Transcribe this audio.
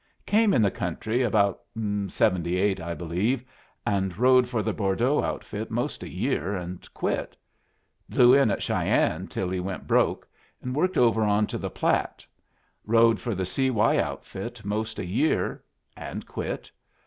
"Came in the country about seventy eight, I believe, and rode for the Bordeaux Outfit most a year, and quit. Blew in at Cheyenne till he went broke, and worked over on to the Platte. Rode for the C. Y. Outfit most a year, and quit.